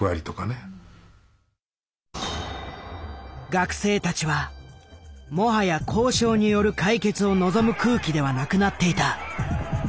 学生たちはもはや交渉による解決を望む空気ではなくなっていた。